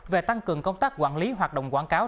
về tăng cường công tác quản lý hoạt động quảng cáo